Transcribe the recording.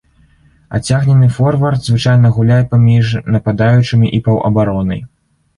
Адцягнены форвард звычайна гуляе паміж нападаючымі і паўабаронай.